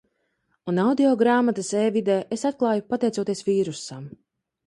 Un audio grāmatas e-vidē es atklāju pateicoties vīrusam.